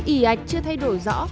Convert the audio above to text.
ý ạch chưa thay đổi rõ